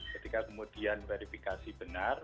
ketika kemudian verifikasi benar